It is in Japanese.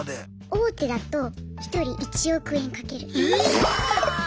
大手だと１人１億円かけるって。